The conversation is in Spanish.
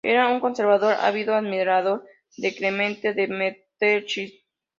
Era un conservador, ávido admirador de Clemente de Metternich.